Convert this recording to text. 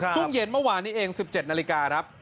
ช่วงเย็นเมื่อวานนี้เอง๑๗นาฬิกาครับ